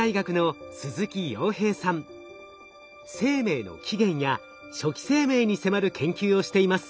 生命の起源や初期生命に迫る研究をしています。